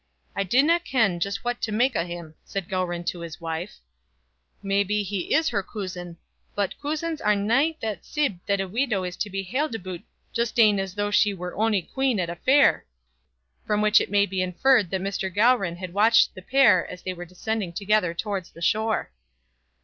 "I dinna ken just what to mak' o' him," said Gowran to his wife. "May be he is her coosin; but coosins are nae that sib that a weedow is to be hailed aboot jist ane as though she were ony quean at a fair." From which it may be inferred that Mr. Gowran had watched the pair as they were descending together towards the shore.